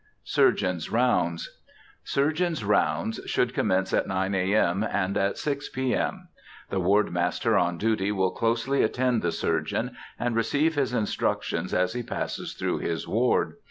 SURGEONS' ROUNDS. Surgeons' rounds should commence at 9 A. M., and at 6 P. M. The ward master on duty will closely attend the surgeon, and receive his instructions as he passes through his ward.